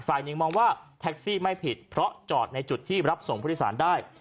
ฝ่ายหนึ่งมองว่าแท็กซี่ไม่ผิดเพราะจอดในจุดที่รับส่งผู้โดยสารได้